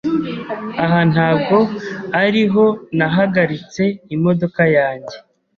Aha ntabwo ariho nahagaritse imodoka yanjye.